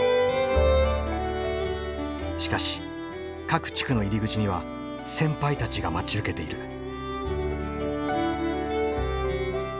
しかし各地区の入り口には先輩たちが待ち受けている。